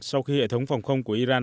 sau khi hệ thống phòng không của iran